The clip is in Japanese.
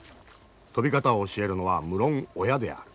飛び方を教えるのは無論親である。